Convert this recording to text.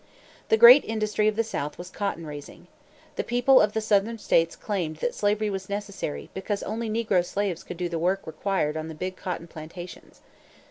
The great industry of the South was cotton raising. The people of the Southern states claimed that slavery was necessary, because only negro slaves could do the work required on the big cotton plantations.